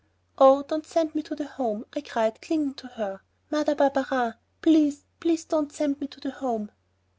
"Oh, don't send me to the Home," I cried, clinging to her, "Mother Barberin, please, please, don't send me to the Home."